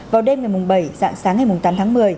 vào đêm ngày bảy dạng sáng ngày tám tháng một mươi